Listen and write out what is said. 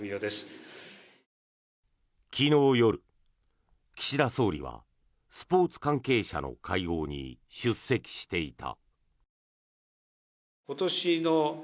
昨日夜、岸田総理はスポーツ関係者の会合に出席していた。